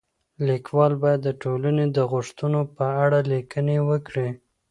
ليکوال بايد د ټولني د غوښتنو په اړه ليکنې وکړي.